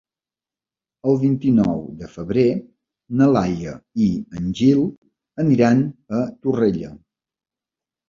El vint-i-nou de febrer na Laia i en Gil aniran a Torrella.